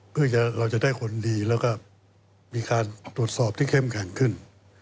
เพื่อเราจะได้คนดีแล้วก็มีการตรวจสอบที่เข้มแข็งขึ้น